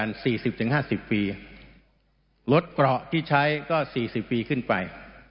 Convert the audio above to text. โล่งนับนับแต่นขนาดเกี่ยวกันสี่สิบถึงห้าสิบรถเกราะห์ที่ใช้ก็สี่สิบปีขึ้นไป